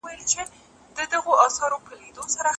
د شاګردانو ټولي لیکنې باید د استاد له خوا په دقت سره وکتل سي.